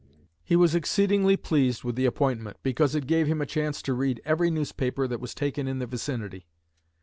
He was exceedingly pleased with the appointment, because it gave him a chance to read every newspaper that was taken in the vicinity.